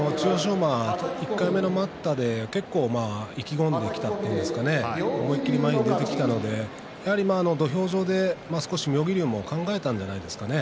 馬は１回目の待ったでちょっと意気込んでいったというんですが思い切り前に出てきたので土俵上で少し妙義龍も考えたんじゃないですかね。